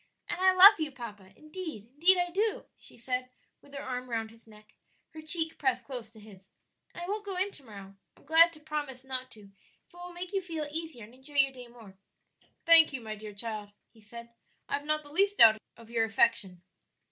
"And I love you, papa; indeed, indeed I do," she said, with her arm round his neck, her cheek pressed close to his; "and I won't go in to morrow; I'm glad to promise not to if it will make you feel easier and enjoy your day more." "Thank you, my dear child," he said. "I have not the least doubt of your affection."